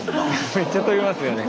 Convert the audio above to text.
めっちゃ跳びますよね。